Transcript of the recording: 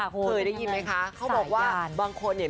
เคยได้ยินไหมคะเขาบอกว่าบางคนเนี่ย